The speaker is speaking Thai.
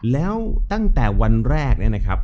แล้วตั้งแต่วันแรกนะครับ